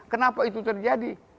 kenapa itu terjadi